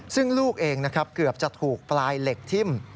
ซึ่งลูกเองนะครับเกือบจะถูกปลายเหล็กทิ้ม